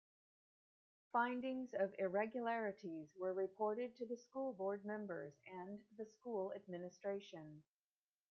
Findings of irregularities were reported to the school board members and the school administration.